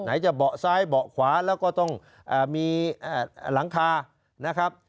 จะเบาะซ้ายเบาะขวาแล้วก็ต้องมีหลังคานะครับ